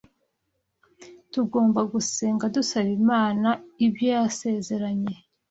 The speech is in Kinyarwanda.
Tugomba gusenga dusaba Imana ibyo yasezeranye